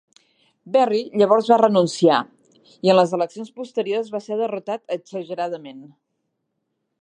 Berry llavors va renunciar, i en les eleccions posteriors va ser derrotat exageradament.